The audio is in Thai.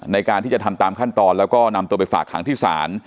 ในการที่จะทำตามขั้นตอนแล้วก็นำตัวไปฝากหางที่ศาล